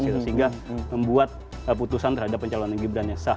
sehingga membuat putusan terhadap pencalonan gibran yang sah